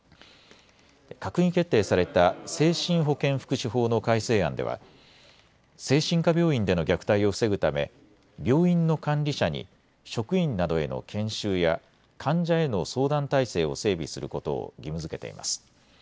閣議決定された精神保健福祉法の改正案では精神科病院での虐待を防ぐため病院の管理者に職員などへの研修や患者への相談体制を整備することを義務づけています。